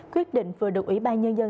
quyết định vừa được ủy ban nhân dân